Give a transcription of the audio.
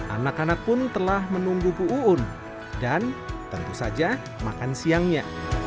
anak anak pun telah menunggu bu uun dan tentu saja makan siangnya